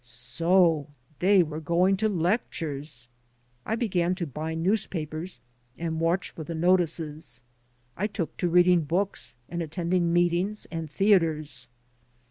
So they were going to lectures! I began to buy newspapers and watch for the notices. I took to reading books and attending meetings and theaters.